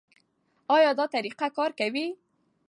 ایا دا طریقه کار کوي؟